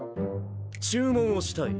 注文をしたい。